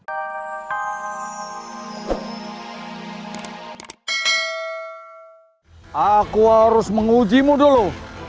aku harus mengujimu dulu